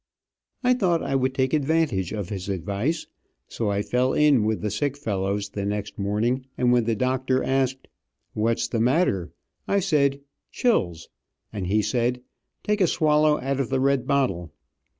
I thought I would take advantage of his advice, so I fell in with the sick fellows the next morning, and when the doctor asked, "What's the matter?" I said "chills," and he said, "Take a swallow out of the red bottle."